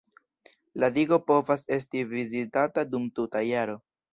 La digo povas esti vizitita dum tuta jaro.